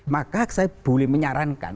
maka saya boleh menyarankan